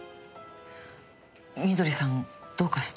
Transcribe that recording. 美登里さんどうかした？